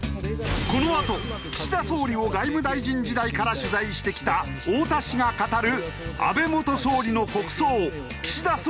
このあと岸田総理を外務大臣時代から取材してきた太田氏が語る安倍元総理の国葬岸田総理の思惑とは？